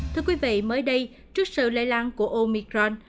thưa quý vị mới đây trước sự lây lan của omicron